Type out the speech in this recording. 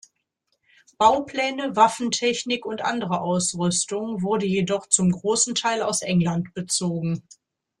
Baupläne, Waffentechnik und andere Ausrüstung wurde jedoch zum großen Teil aus England bezogen.